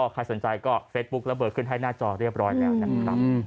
ใครสนใจก็เฟซบุ๊คระเบิดขึ้นให้หน้าจอเรียบร้อยแล้วนะครับ